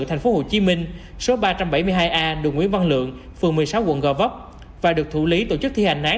tp hcm số ba trăm bảy mươi hai a đường nguyễn văn lượng phường một mươi sáu quận gò vấp và được thủ lý tổ chức thi hành án